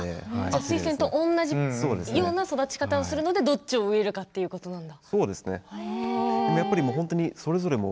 スイセンと同じような育ち方をするのでどっち植えるかということなんだ。